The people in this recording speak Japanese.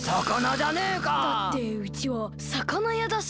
だってうちはさかなやだし。